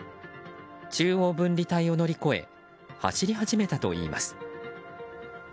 中央分離帯を乗り越え走り始めたといいます。